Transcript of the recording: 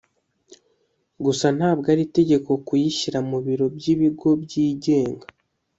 gusa ntabwo ari itegeko kuyishyira mu biro by’ibigo byigenga